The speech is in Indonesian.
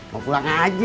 mau pulang aja